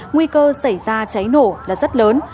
nguy cơ xảy ra cháy nổ là rất lớn